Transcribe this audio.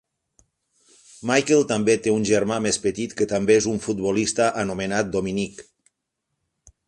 Michael també té un germà més petit que també és un futbolista anomenat Dominic.